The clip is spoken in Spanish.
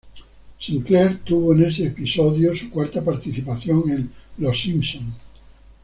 Sinclair, tuvo en este episodio su cuarta participación en "Los Simpson".